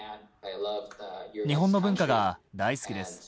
日本の文化が大好きです。